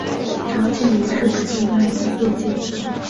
常见于日本动漫业界。